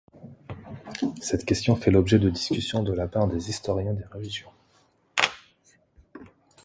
Cette question fait l'objet de discussions de la part des historiens des religions.